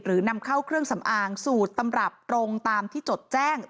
นำเข้าเครื่องสำอางสูตรตำรับตรงตามที่จดแจ้ง